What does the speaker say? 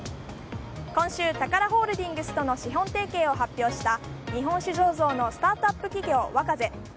今週、宝ホールディングスとの資本提携を発表した日本酒醸造のスタートアップ企業ＷＡＫＡＺＥ。